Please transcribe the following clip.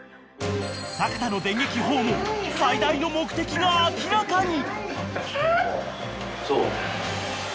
［阪田の電撃訪問最大の目的が明らかに］